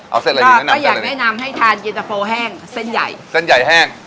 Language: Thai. เอาเส้นเลยทานก็อยากแนะนำให้ทานเย็นตะโฟแห้งเส้นใหญ่เส้นใหญ่แห้ง